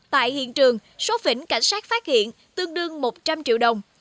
tại hiện trường số phỉnh cảnh sát phát hiện tương đương một trăm linh triệu đồng